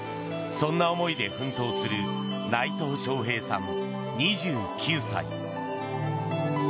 そんな思いで奮闘する内藤祥平さん、２９歳。